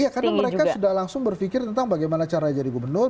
iya karena mereka sudah langsung berpikir tentang bagaimana cara jadi gubernur